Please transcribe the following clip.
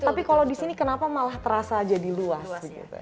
tapi kalau di sini kenapa malah terasa jadi luas